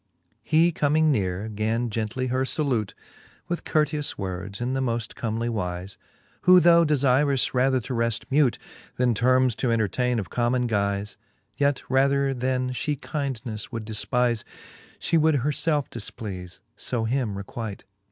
XX. He comming neare, gan gently her {alute With courteous words, in the moft Comely wize j Who though defirous rather to reft mute, Then termes to entertaine of common guize, Yet rather then {he kindneile would defpize, She would her lelfe difpleaie, {o him requite.